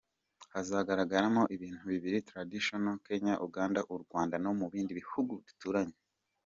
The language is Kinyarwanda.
Hazagaragaramo ibintu biri traditional, Kenya Uganda, u Rwanda no mu bindi bihugu duturanye.